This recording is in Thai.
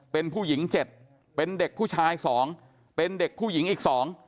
เป็นผู้หญิง๗เป็นเด็กผู้ชายสองเป็นเด็กผู้หญิงอีก๒